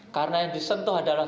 karena yang disentuh adalah